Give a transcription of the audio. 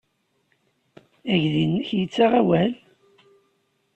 Aydi-nnek yettaɣ awal?